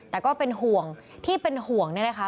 แต่ก็เป็นห่วงที่เป็นห่วงเนี่ยนะคะ